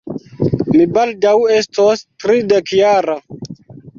Mi baldaŭ estos tridekjara.